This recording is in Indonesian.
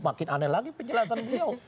makin aneh lagi penjelasan beliau